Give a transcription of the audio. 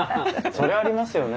そりゃあありますよね。